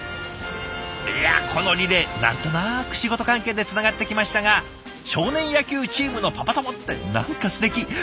いやこのリレー何となく仕事関係でつながってきましたが少年野球チームのパパ友って何かすてき！